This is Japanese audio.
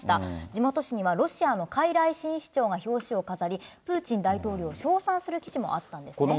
地元紙にはロシアのかいらい新市長が表紙を飾り、プーチン大統領を称賛する記事もあったんですね。